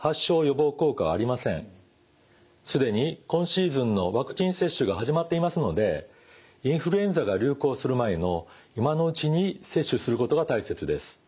既に今シーズンのワクチン接種が始まっていますのでインフルエンザが流行する前の今のうちに接種することが大切です。